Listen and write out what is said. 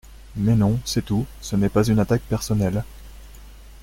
Mais non ! C’est tout ! Ce n’est pas une attaque personnelle.